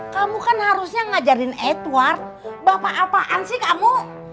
kamu kan harusnya ngajarin edward bapak apaan sih kamu